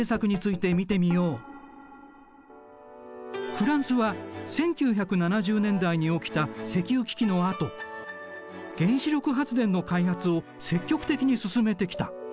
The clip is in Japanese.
フランスは１９７０年代に起きた石油危機のあと原子力発電の開発を積極的に進めてきた。